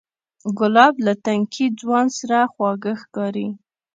ګلاب له تنکي ځوان سره خواږه ښکاري.